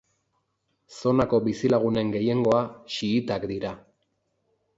Zonako bizilagunen gehiengoa xiitak dira.